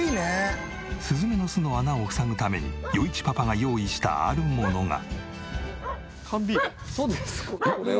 スズメの巣の穴を塞ぐために余一パパが用意したあるものが。